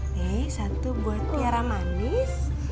nih satu buat tiara manis